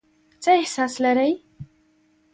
څه احساس لرئ ؟